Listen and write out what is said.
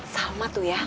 salma tuh ya